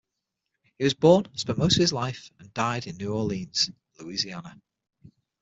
He was born, spent most of his life, and died in New Orleans, Louisiana.